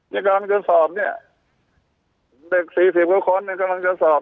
กำลังจะสอบเนี่ยเด็ก๔๐กว่าคนเนี่ยกำลังจะสอบ